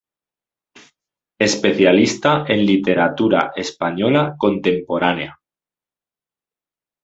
Especialista en literatura española contemporánea.